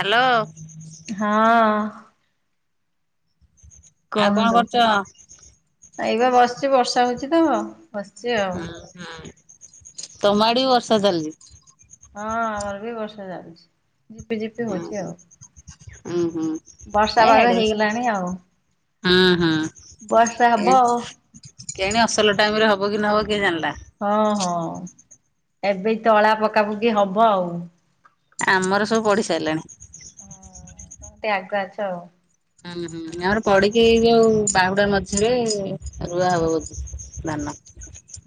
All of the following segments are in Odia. ହାଲୋ। ହଁ। ଆଉ କଣ କୁହନ୍ତୁ କରୁଛ? ଏଇପା ବସଚି ବର୍ଷା ହୋଉଚି ତ ବସଚି ଆଉ। ହୁଁ ହୁଁ ତମ ଆଡେ ବି ବର୍ଷା ଚାଲଚି? ହଁ ଆମର ବି ବର୍ଷା ଚାଲଚି ଝିପିଝିପି ହୋଉଚି ଆଉ। ଉଁହୁଁ ବର୍ଷା ଏ ପାଗ ଆଡ଼େ। ହେଇଗଲାଣି ଆଉ ହଁ ହଁ ବର୍ଷା ହବ ଏଁ ଆଉ କେଣେ ଅସଲ ଟାଇମରେ ହବ କି ନହବ କିଏ ଜାଣଲା। ହଁ ହଁ ଏବେ ତଳା ପକାପୁକି ହବ ଆଉ। ଆମର ସବୁ ବଢିସାରଲାଣି। ହୁଁ ତମେ ଟିକେ ଆଗୁଆ ଅଛ ଆଉ। ହୁଁ ହୁଁ। ଆମର ପଡିକି ଏଇ ଯୋଉ ବାହୁଡ଼ା ମଝିରେ ରୁଆ ହବ ବୋଧେ ଧାନ।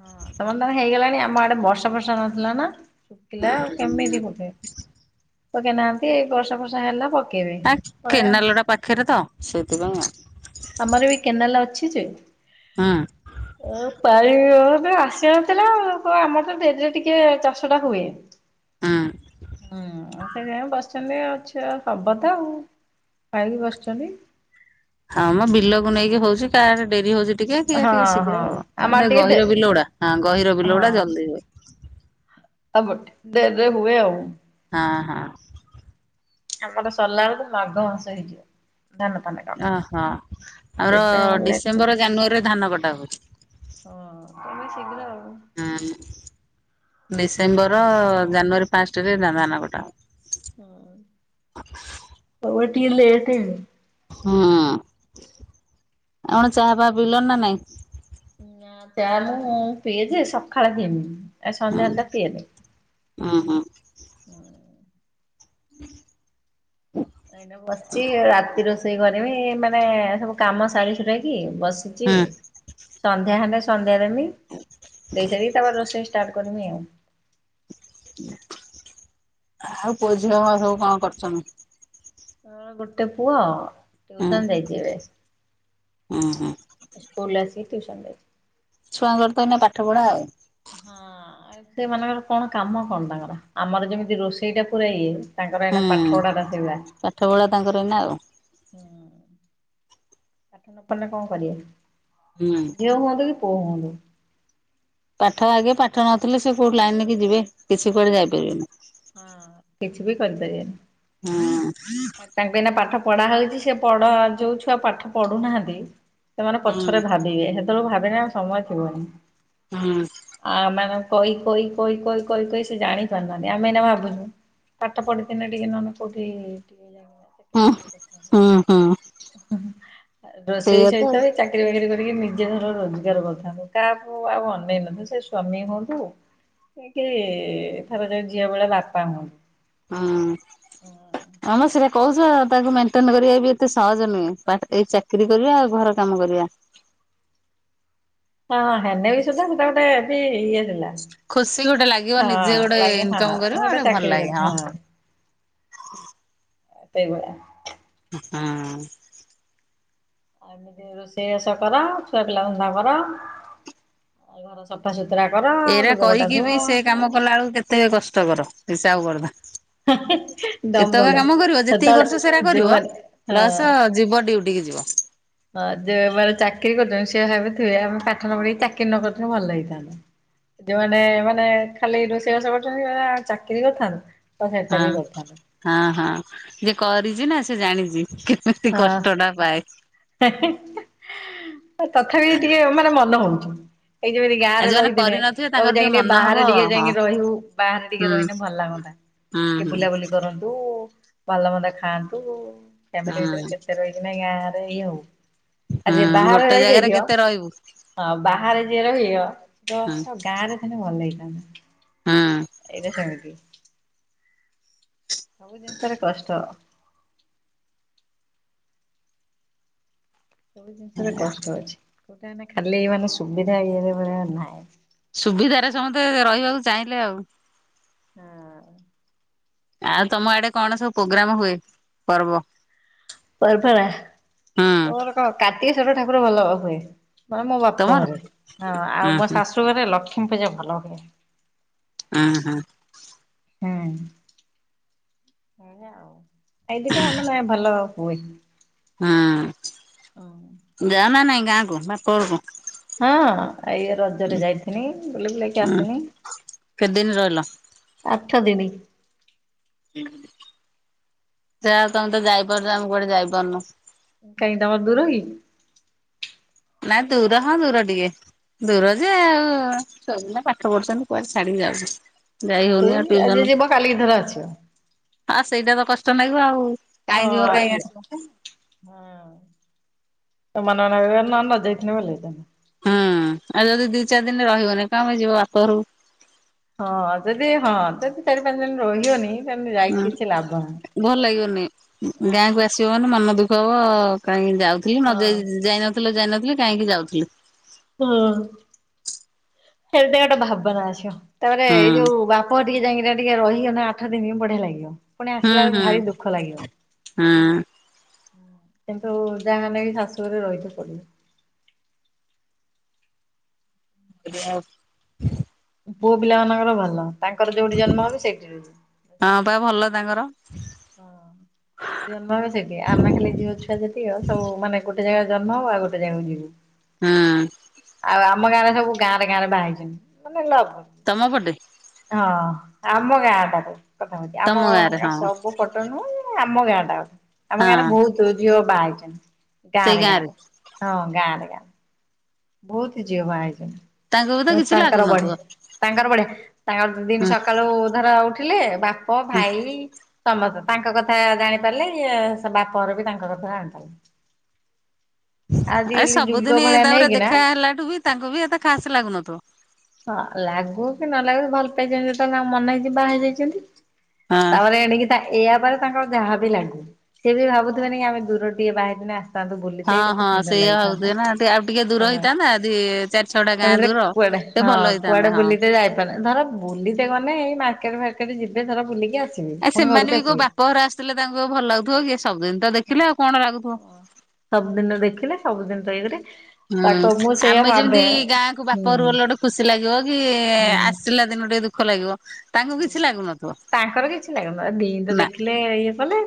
ହଁ ତମର ତାହାନେ ହେଇଗଲାଣି ଆମ ଆଡେ ବର୍ଷା ଫର୍ଷା ନଥିଲା ନା ଶୁକିଲା ଆଉ ହୁଁ କେମିତି ବୁଧେ ପକେଇ ନାହାନ୍ତି ଏଇ ବର୍ଷା ଫର୍ଷା ହେଲା ପ ଆଁ କେନାଲଗୁଡ଼ା ପାଖରେ ତ ସେଇଥିପାଇଁ ଆ ଆମର ବି କେନାଲ ଅଛି ଯେ ହୁଁ ଅ ପାଣି [unintelligible] ଆସିବା ଆମର ତ ଡେରିରେ ଟିକେ ଚାଷ ଟା ହୁଏ ହୁଁ। ହୁଁ ସେ ଯାଇ ବସ୍ଚନ୍ତି ଅଛି ହବ ତ ଆଉ ଖାଇକି ବସ୍ଚନ୍ତି। ହଁ ମ ବିଲକୁ ନେଇକି ହଉଚି କାଆଡେ ଡେରି ହଉଚୀ ଟିକେ ହଁ ଟିକେ ହଁ ଶୀଘ୍ର ଆଉ ଆମର ଗୋଟେ ଟିକେ ଡେ ଗହିର ବିଲଗୁଡା ହଁ ଗହିର ବିଲଗୁଡା ଜଲ୍ଦି ହୁଏ। ଆଉ ଗୋଟେ ଡ଼େର୍ରେ ହୁଏ ଆଉ। ହଁ ହଁ। ଆମର ସର୍ଲାବେଳ କୁ ତ ମାଘ ମାସ ହେଇଯିବ। [unintelligible] ଅହ ଆମର ସେଥିପାଇଁ ଆମର ଲେଟରେ ଡିସେମ୍ବର ଜାନୁଆରୀରେ ଧାନ କଟା ହୁଏ। ହଁ ତମେ ଶୀଘ୍ର ଆଉ। ହୁଁ ଡିସେମ୍ବର ଜାନୁଆରୀ ଫାଷ୍ଟ୍ରେ ଧାନ କଟା ହବ। ହୁଁ ତମର୍ ଟିକେ ଲେଟେ। ହୁଁ ଆଉ କଣ ଚାହା ପା ପିଲଣି ନା ନାଇଁ। ନା ଚ଼ା ମୁଁ ପିଏ ଯେ ସକାଳେ ପିଇମି ଆଉ ସନ୍ଧ୍ୟାବେଳେ ତା ପିଏନି। ଉଁହଁ। [inaudible] ଏଇନା ବସ୍ଚି ରାତି ରୋଷେଇ କରିମି ମାନେ ସବୁ କାମ ସାରି ସୁରାକି ବସି ଚି ହୁଁ ସନ୍ଧ୍ୟା ହେଲେ ସନ୍ଧ୍ୟା ଦେମି ଦେଇ ସାରିକି ତା ପରେ ରୋଷେଇ ଷ୍ଟାଟ୍ କର୍ମି ଆଉ ଆଉ ପୁଅ ଝିଅ ମାନେ ସବୁ କଣ କରୁଚନ୍ତି। ମୋର ଗୋଟେ ପୁଅ ହୁଁ ଟୁଇସନ୍ ଯାଇଚି ଏବେ। ହୁଁ ହୁଁ ସ୍କୁଲ୍ ରୁ ଆସିକି ଟିୟୁସନ ଯାଇଚି। ଛୁଆଙ୍କର ତ ଏନା ପାଠ ପଢା ଆଉ। ହଁ ସେମାନଙ୍କର କଣ କାମ କଣ ତାଙ୍କର ଆମର ଯେମିତି ରୋଷେଇ ଟା ପୁରା ଇଏ। ତାଙ୍କର ଏଇନା ପାଠପଢାଟା ସେଇଭଳ୍ଆ। ଠପଢ଼ା ତାଙ୍କର ଏଇନା ଆଉ। ହୁଁ ପାଠ ନ ପଢ଼ିଲେ କଣ ହୁଁ କରିବେ ଝିଅ ହୁଅନ୍ତୁ କି ପୁଅ ହୁଅନ୍ତୁ। ପାଠ ଆଗେ ପାଠ ନଥିଲେ ସେ କୋଉ ଲାଇନିରେ କିି ଯିବେ କିଛି କୁଆଡେ ଯାଇପାରିବେନି। ହଁ କିଛିବି କର୍ ପାରିବେନି। ହୁଁ। ତାଙ୍କୁ ଏଇନା ପାଠ ପଢା ହଉଛି ସେ ପଢ ଯୋଉ ଛୁଆ ପାଠ ପଢୁନାହାନ୍ତି। ସେମାନେ ହୁଁ ପଛରେ ଭାବିବେ ସେତେବେଳେ ଭାବିନେ ଆଉ ସମୟ ଥିବନି। ହୁଁ ଆ ମାନେ କଇ କଇ କଇ କଇ କଇ କଇ ସେ ଜାଣି ପାରୁନାହାଁନ୍ତି। ଆମେନା ଭାବୁଛୁ ପାଠ ପଢିଥିଲେ ଟିକେ ନହେଲେ କୋଉଠି ଟିକେ ହୁଁ ହୁଁ ହୁଁ ସେଇଆ ରୋଷେଇ ତ ଆଉ। ସହିତ ବି ଚା ଚାକିରି ବାକିରି କରିକି ନିଜେ ଧର ରୋଜଗାର କରିଥାନ୍ତୁ କାକୁ ଆଉ ଅନେଇ ନଥାନ୍ତୁ ସେ ସ୍ଵାମୀ ହୁଅନ୍ତୁ କି ଏଥର ଯୋଉ ଝି ଭଳିଆ ବାପା ହୁଅନ୍ତୁ। ହଁ। ଆମ ସେଇଟା କହୁଚ ତାକୁ ମେଣ୍ଟେନ୍ କରିବା ବି ଏତେ ସହଜ ନୁହେଁ ପା ଏଇ ଚା କିରି କରିବା ଆଉ ଘର କାମ କରିବା। ହଁ ହେନେ ବି ସୁଦ୍ଧା ସେଟା ଗୋଟେ ଏଠି ଇଏ ଥିଲା। ଖୁସି ଗୋଟେ ଲାଗିବ ହଁ ନିଜେ ଗୋଟେ ଲାଗେ ହଁ ଇନକମ କରିବ ମୁଁ ଗୋଟେ ଭଲ ଚାକିରି ଲାଗେ କର୍ଚି ହଁ। ସେଇ ଭଳିଆ। ହୁଁ। ଆଉ ଏମିତି ରୋଷେଇ ବାଷ କର ଛୁଆ ପିଲା ଧନ୍ଧା କର। ଆଉ ଘର ସଫାସୁତୁରା କର ଏଇରା ଲୁଗା ପଟା କରିକି ବି ଧୁଅ। ସେ କାମ କଲା ଆଳକୁ କେ କେତେ କଷ୍ଟକର ହିସାବ କରୁଥାଅ। ଡବଲ। ଏତକା କାମ କରିବ ଯେତିକି ସେତେବେଳେ କରୁଚ ସେଟା କରିବ। ଯୋଉମାନେ ହଁ ପ୍ଲସ ଯିବ ଡିୟୁଟିକି ଯିବ। ହଁ ଯେଉଁ ଏବାର ଚାକିରି କରୁଛନ୍ତି ସେ ଭାବି ଥିବେ, ଆମେ ପାଠ ନ ପଢିକି ଚାକିରି ନ କରିଥିଲେ ଭଲ ହେଇଥାନ୍ତା। ଯୋଉମାନେ ମାନେ ଖାଲି ରୋଷେଇବାସ କରୁଛନ୍ତି [unintelligible] ଚାକିରି କରିଥାନ୍ତୁ। ତ ସେଟା ବି ହଁ- କରିଥାନ୍ତୁ। ହଁ- ହଁ ଯିଏ କରିଚି ନା ସେ ଜାଣିଚି। ସେ ହଁ କଷ୍ଟଟା ପାଏ। [unintelligible] ତଥାପି ଟିକେ ମାନେ ମନେ ହଉଚି, ଏଇ ଯେମିତି ଆଉ ଗାଁରେ ଯୋଉମାନେ ରହିଥିଲେ କରିନଥିବେ କହିବୁ ତାଙ୍କର ଯାଇକି ଟିକେ ମନ ହବ ବାହାରେ ଟିକେ ହଁ ଯାଇକି ରହିବୁ, ବାହାରେ ଟିକେ ହୁଁ ରହିଲେ ଭଲ ଲାଗନ୍ତା। ହୁଁ ଟିକେ ହୁଁ ବୁଲାବୁଲି କରନ୍ତୁ, ଭଲ ମନ୍ଦ ଖାଆନ୍ତୁ। ହୁଁ। ଏଇନା ଗାଁରେ ଇଏ ହଉ ଆଉ ଯିଏ ହଁ ବାହାରେ ଗୋଟେ ଜାଗାରେ ରହିଯାଇଥିବ, କେତେ ରହିବୁ ହଁ ବାହାରେ ଯିଏ ରହିବ ହଁ [unintelligible] ଗାଁରେ ରହିଲେ ଭଲେ ହେଇଥାଆନ୍ତା, ହଁ। ଏଇଟା ସେମିତି। ସବୁ ଜିନିଷରେ କଷ୍ଟ। ସବୁ ଜିନିଷରେ କଷ୍ଟ ଅଛି, କୋଉଟା ମାନେ ଖାଲି ମାନେ ସୁବିଧା ଇଏ ଭଳିଆ ନାହିଁ। ସୁବିଧାରେ ସମସ୍ତେ ରହିବାକୁ ଚାହିଁଲେ ଆଉ। ହୁଁ। ଆଉ ତମ ଆଡେ କଣ ସବୁ ପ୍ରୋଗ୍ରାମ ହୁଏ, ପର୍ବ? [unintelligible] ତୋର ହୁଁ କଣ କାର୍ତ୍ତିକେଶ୍ଵର ଠାକୁର ଭଲ ହୁଏ। ମାନେ ମୋ ବାପ ତମର ଘରେ, ହଁ ହୁଁ ଆଉ ମୋ ହୁଁ ଶାଶୁ ଘରେ ଲକ୍ଷ୍ମୀପୂଜା ଭଲ ହୁଏ। ଅଁ- ହଁ। ହୁଁ ଏଇଆ ଆଉ, ଏଇଟି ମାନେ ଭଲ ହୁଏ। ହଁ ଯାଅ ନା ନାଇଁ ଗାଁକୁ, ବାପ ଘରକୁ? ହଁ ଏଇ ରଜରେ ଯାଇଥିନି, ବୁଲ ବୁଲାକି ହୁଁ ଆସିନି। କେତେ ଦିନ ରହିଲ? ଆଠଦିନ। ସେଇଆ ଆଉ ତମେ ତ ଯାଇପାରୁଛ, ଆମେ କୁଆଡେ ଯାଇପାରୁନୁ? କାଇଁ ତମର ଦୂର କି? ନାଇଁ ଦୂର ହଁ, ଦୂର ଟିକେ। ଦୂର ଯେ ଆଉ ଛୁଆ ଦି ଜଣ ପାଠ ପଢୁଛନ୍ତି, କୁଆଡେ ଛାଡିକି ଯାଉଛି? ହଁ ସେଇ ଆଜି ଯିବ, କାଲିିକି ଧର ଆସିବ। ଆଉ ସେଇଟା ତ କଷ୍ଟ ଲାଗିବ ଆଉ। ହଁ। କାହିଁ ଯିବ କାହିଁ ଆସିବ। ହଁ ତୋ ମନ ରହିବନି, ନହେଲେ ନ ଯାଇଥିଲେ ଭଲ ହେଇଥାନ୍ତା। ହୁଁ ଆଉ ଯଦି ଦି ଚାରି ଦିନ ରହିବନି, କଣ ପାଇଁ ଯିବ ବାପଘରକୁ। ହଁ ଯଦି ହଁ ଯଦି ଚାରି ପାଞ୍ଚ ଦିନ ରହିବନି ତାହେଲେ ଯାଇକି ହୁଁ କିଛି ଲାଭ ଭଲ ଲାଗିବନି, ନାହିଁ। ଗାଁକୁ ଆସି ଆସିବ ମାନେ ମନ ଦୁଃଖ ହବ, କାହିଁକି ଯାଉଥିଲି ହଁ ନ ଯାଇନଥିଲେ ଯାଇନଥିଲେ କାହିଁକି ଯାଉଥିଲେ? ହୁଁ ସେଇଟା ଗୋଟେ ଭାବନା ଆସିବ, ତାପରେ ହୁଁ ଏଇ ଯୋଉ ବାପା ଘରେ ଟିକେ ଯାଇକି ଟିକେ ରହିଗଲେ ନା ଆଠଦିନ ବଢିଆ ଲାଗିବ। ପୁଣି ହୁଁ ଆସିଲା ହୁଁ ବେଳକୁ ଭାରି ଦୁଃଖ ଲାଗିବ। ହୁଁ କିନ୍ତୁ ଯାହା ହେଲେ ବି ଶାଶୁଘରେ ରହିବାକୁ ପଢିବ। ଏବେ ଆଉ ପୁଅ ପିଲାମାନଙ୍କର ଭଲ, ତାଙ୍କର ଯୋଉଠି ଜନ୍ମ ହବ ସେଇଠି ରହିବେ। ହଁ ବା ଭଲ ତାଙ୍କର। ପୁଅ ଜନ୍ମ ହବେ ସେଠି, ଆମେ ଖାଲି ଝିଅଛୁଆ ଯେତିକି ସବୁ ମାନେ ଗୋଟେ ଜାଗା ଜନ୍ମ ହଭ ଆଉ ଗୋଟେ ଜାଗାକୁ ଯିବୁ। ହୁଁ ଆଉ ଆମ ଗାଁରେ ଯୋଉ ଫ୍ୟାନ ଗାର ଗାଁର ଟାଣିଛନ୍ତି ମାନେ ଲଭ ତମ ପଟେ? ହଁ ଆମ ଗାଁଟାକୁ କଥା କ ତମ ଆମ ଗାଁରେ ହଁ ସବୁ କୋଉ ପଟ ନୁହେଁ, ଆମ ଗାଁଟା। ଆମ ଗାଁ ରେ ହଁ ବହୁତ ଝିଅ ବାହା ହେଇଛନ୍ତି ଗାଁ ସେଇ ରେ ଗାଁ ଗାଁରେ ରେ ହଁ ଗାଁ ରେ ଗାଁ ରେ। ବହୁତ ଝିଅ ବାହା ହେଇଚନ୍ତି। ତାଙ୍କୁ ବି ତ ମୁ କିଛି ତାଙ୍କର ବଢ଼େ ଲାଗୁନଥିବ। ତାଙ୍କର ବଢ଼ିଆ ତାଙ୍କ ଦିନ ହୁଁ ସକାଳୁ ଧର ଉଠି ଲେ ବାପ, ହୁଁ ଭାଇ। ସମସ ତାଙ୍କ କଥା ଜାଣିପାରିଲେ ଅ ସ ବାପର ବି ତାଙ୍କ କଥା ଜାନଲେ। ଏ ଯୁଗ ସବୁଦିନ ଭଳିଆ ତାପରେ ଦେ ନେଇକିନା ଖା ହେଲାଠୁ ବି ତାଙ୍କୁ ବି ଏତେ ଖାସ ଲାଗୁନ ଥବ। ହଁ ଲାଗୁ କି ନ ଲାଗୁ ଭଲ ପାଇଚନି ଯେତେଏଳେ ମନ ହେଇଛି ବାହା ହେଇଯାଇଛନ୍ତି। ହଁ। ତାପରେ ଆଣିକି ତା ଏଆ ପରେ ତାଙ୍କ ଯାହା ବି ଲାଗୁ ସେ ବି ଭାବୁଥିବେ ନ କି ଆମେ ଦୂର ଟିକେ ବାହା ହେଇତିନେ ଆସୁ ତାନ୍ତୁ ବୁଲିତେ କେତେ ସୁନ୍ଦର ଲାଗିଥାନ୍ତା। ତାନ୍ତେ ଆଉ ଟିକେ ଦୂର ହଁ ହେଇଥାନ୍ତା ଦି ଚାରି ଛଅଟା ଗାଁ ତାପଡେ ଦୂର। କୁଆଡେ ଟିକେ ହଁ ଭଲ ହେଇଥାନ୍ତା କୁଆଡେ ହଁ। ବୁଲିତେ ଯାଇ ତଲେ ଧର ବୁଲିତେ ଗନେ ଇ ମାର୍କେଟ ଫାର୍କେଟ ଯିବେ ଧର ବୁଲିକି ଆ ଆ ସେମାନେ ବି କୋଉ ବାପଘର ଆସିଥିଲେ ତାଙ୍କୁ ଭଲ ଲାଗୁଥିବ କି ସବୁଦିନ ତ ଦେଖିଲେ ଆଉ କଣ ଲାଗୁଥିବ। ସବୁଦିନ ଦେଖିଲେ ସବୁଦିନ ତ ଇଏକରେ। ହୁଁ ଆମେ ଯେମିତି ଗାଁକୁ ହୁଁ ବାପରକୁ ଗଲେ ଗୋଟେ ଖୁସି ଲାଗିବ କି ହୁଁ। ଆସିଲା ଦିନ ଟିକେ ଦୁଃ ଖ ଲାଗିବ ତାଙ୍କୁ କିଛି ଲାଗୁନଥବ। ତାଙ୍କର କିଛି ଲାଗୁନ ଦିିନ ତ ଦେଖିଲେ ଇଏ କଲେ।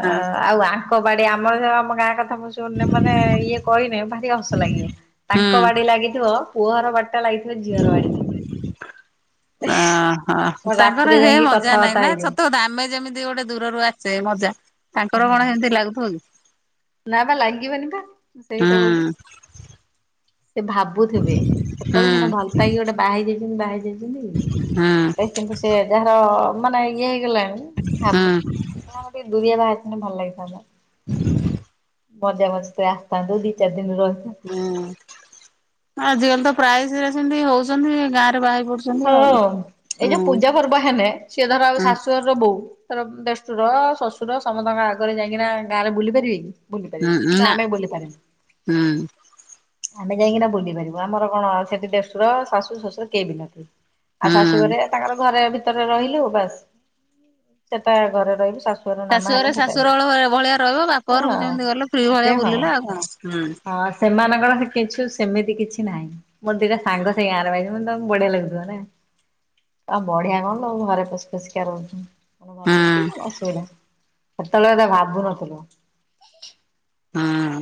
ଆ ଆଉ ଆଙ୍କ ବାଡି ଆମର ଯ ଆମ ଗାଁ କଥା ମୁ ଶୁଣନେ ମନେ ଇଏ କରିନେ ଭାରି ଅସ ଲାଗିବ ହୁଁ ତାଙ୍କ ବାଡି ଲାଗିଥିବ ପୁଅର ବାଟ୍ ଟା ଲାଗିଥିବ ଝିଅର ବାଡ଼ି। ଓହୋ ତାଙ୍କର ରାତିରେ ହେ ଯାଇକି ମଜା ନାଇଁ କଥାବାର୍ତ୍ତା ନା ହେଇଯିବ ସତ ଅତା ଆମେ ଯେମିତି ତି ଗୋଟେ ଦୂରରୁ ଆସ୍ ଚେ ମଜା ତାଙ୍କର କଣ ହଁ। ଏମିତି ଲାଗୁଥିବ କି? ନା ପା ଲାଗିବନି ପା ସେଇ ହୁଁ କଥା କହୁଛି ସେ ଭାବ ବୁଥିବେ ସେତେବେଳେ ସେନା ହୁଁ ଭଲ ପାଇକି ଗୋଟେ ବାହାର ଯାଇଚନ୍ତି ବାହା ଯାଇଛନ୍ତି ହୁଁ ଏବେ କିନ୍ତୁ ସେ ଯାହାର ମାନେ ଇଏ ହେଇଗଲାଣି ଭାବୁଥ ହୁଁ ଆ ଆମ ଟିକେ ଦୁରିଆ ବାହାଥିନେ ଭଲ ଲାଗିଥାନ୍ତା। [unintelligible] ପଜା ବସ୍ ତେ ଆସିଥାନ୍ତୁ ଦି ଚାରି ଦିନ ରହିଥାନ୍ ହୁଁ ଆଜିକାଲି ତ ପ୍ରାୟ ସେ ସେମିତି ହଉଛନ୍ତି ଗାଁ ରେ ବାହେଇ ପଡୁ ହଁ ଏଇ ଯୋଉ ପୂଜା ପର୍ବ ହେଲେେ ସିଏ ଧର ହୁଁ ଶାଶୁ ର ର ବୋଉ ତାର ଦେଷ୍ଠୁର ଶ୍ୱଶୁର ସମସ୍ତଙ୍କ ଆଗରେ ଯାଇକିନା ଗାଁରେ ବୁଲି ପାରିବେ କି? ବୁଲି ପାରିବେନି ହୁଁ କିନ୍ତୁ ନା ଆମେ ବୁଲିପାରିନ। ହୁଁ ଆମେ ଯାଇକିନା ବୁଲି ପାରିବୁ ଆମର କଣ ସେଠି ଦେଷ୍ଟୁର ଶାଶୁ ଶ୍ୱଶୁର କେହି ବି ନାଆ ଆ ହୁଁ। ଶାଶୁଘରେ ତାଙ୍କର ଘରେ ଭିତରେ ରହିଲୁ ବାସ୍ ସେତା ଘରେ ରହିଲୁ ଶାଶୁ ଙ୍କର ନାମା ଏଲୁ ଶାଶୁଘରେ ଶାଶୁର ସେତେରେ ଭଳିଆ ରହିବ ବାପ ଆଁ ଘରକୁ ଯେମିତି ଗଲ ଫ୍ରି ଭଳିଆ ଆସେ ହଁ ବୁଲିଲ ହଁ ଆଉ କଣ। ହୁଁ ଆ ସେମାନଙ୍କର ସେ କିଛୁ ସେମିତି କିଛି ନାଇଁ ମୋର ଦିଟା ସାଙ୍ଗ ସେଇ ଗାଁରେ ବାହାହେଇଛନ୍ତି ତମ ବଢିଆ ଲାଗୁ ଥିଅ ନେ ଆ ବଢିଆ କଣ କ ଘରେ ପୋଷ ପୋଷିକା ରହୁଛ [unintelligible] ଭଲ ହୁଁ ହେଇଚି ମ ଅସୁବିଧା ଏତେବେଳେ ଭାବୁନଥିଲୁ। ହଁ।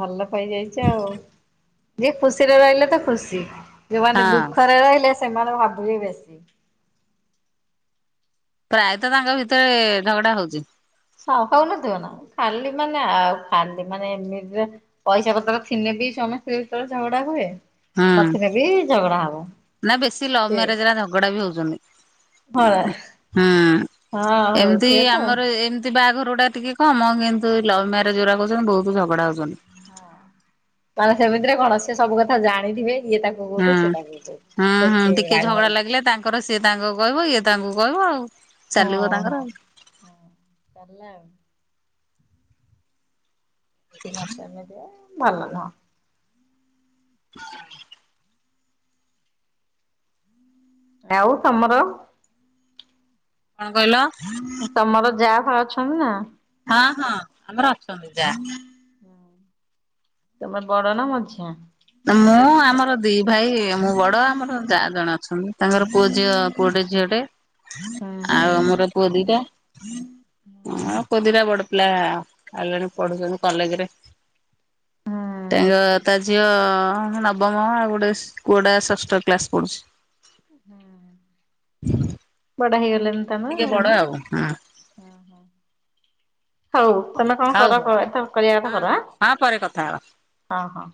ଭଲ ପାଇଯାଇଛି ଆଉ ଯିଏ ଖୁସିରେ ରହିଲେ ତ ଖୁସି। ଜୁମାନେ ହଁ ଦୁଃଖରେ ରହିଲେ ସେମାନେ ଭାବିବେ ବେଶୀ। ପ୍ରାୟତଃ ତାଙ୍କ ଭିତରେ ଝଗଡା ହଉଛି। ହଁ ହଉନଥିବ ନା ଖାଲି ମାନେ ଆଉ ଖାଲି ମାନେ ଏମିତିରେ ପଇସା ପତର ଥିନେ ବି ସ୍ବାମୀ ସ୍ତ୍ରୀ ଭିତରେ ଝଗଡା ହୁଏ। ହୁଁ ନଥିଲେ ବି ଝଗଡା ହବ ନା ବେଶୀ ଲଭ ସେ ମ୍ୟାରେଜରେ ଝଗଡା ବି ହଁ ହଉଛନ୍ତି। ହୁଁ ହଁ ଏମିତି ହଉଥିବେ ତ। ଆମର ଏମ ତି ବାହାଘରୁଟା ଟିକେ କମ କିନ୍ତୁ ଲଭ ମ୍ୟାରେଜ ଗୁଡା କଉଚନ୍ତି ବହୁତ ଝଗଡା ହଉଛନ୍ତି। ମାନେ ସେମିତିରେ କଣ ସିଏ ସବୁ କଥା ଜାଣିଥିବେ ଇଏ ତାକୁ ହୁଁ। କହୁଥ ସେ ତାକୁ କହୁ ହୁଁ ହୁଁ ବେଶି ଟିକେ ରାଗ ଝଗଡା ଲାଗୁ ଲାଗିଲେ ତାଙ୍କର ସିଏ ତାଙ୍କ କହିବ ଇଏ ତାଙ୍କୁ କହିବ ଆଉ ଚାଲିବ ତାଙ୍କର ଆଉ। ହଁ ଚାିଲିଲା ଆଉ। ସେମିତିଆ ଭଲ ନୁହଁ। [inaudible] ୟାଉ ତମର? କଣ କ କଇଲ। ତମର ଯା ଫା ଅଛନ୍ତି ନା? ହଁ ହଁ ଆମର ଅଛନ୍ତି ଯା। ତୁମେ ବଡ଼ ନା ମଝିଆଁ? ମୁଁ ଆମର ଦି ଭାଇ ମୁଁ ବଡ ଆମର ଯା ଜଣେ ଅଛନ୍ତି। ତାଙ୍କର ପୁଅ ଝିଅ ପୁଅଟେ ଝିଅଟେ। ହୁଁ। ଆଉ ଆମର ପୁଅ ଦିଟା ଅଁ ପୁଅ ଦିଟା ବଡ଼ ଲା ଆଉ ଜଣେ ପଢୁଛନ୍ତି କଲେଜ୍ ରେ। ହୁଁ ତାଙ୍କ ତା ଝିଅ ହଁ ନବମ ଆଉ ଗୋଟେସ୍ ପୁଅଟା ଷଷ୍ଠ କ୍ଲାସ ପଢୁଛି। ହୁଁ ବଡ ହେଇଗଲା ଟିକେ ବଡ଼ ଆଉ ହଁ। ଉଁ ହୁଁ ହୋଉ ତମେ କଣ ହଉ ହଉ କର [unintelligible] କରିବା କଥା ହଁ ହଁ ହଁ ପରେ କଥା ହବା। କର ଆଁ।